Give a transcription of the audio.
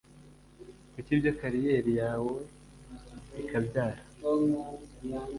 Kuri ibyo kariyeri yawe ikabyara